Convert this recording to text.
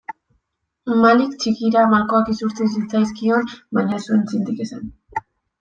Malik txikiari malkoak isurtzen zitzaizkion baina ez zuen txintik esan.